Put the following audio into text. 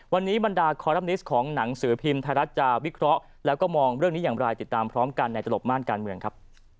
วันนี้บรรดาคอลัมนิสต์ของหนังสือพิมพ์ไทยรัฐจะวิเคราะห์แล้วก็มองเรื่องนี้อย่างไรติดตามพร้อมกันในตลบม่านการเมืองครับ